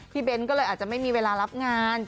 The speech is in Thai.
เบ้นก็เลยอาจจะไม่มีเวลารับงาน